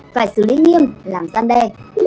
phải xử lý nghiêm làm gian đe